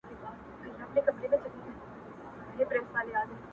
څنگه دي هېره كړمه.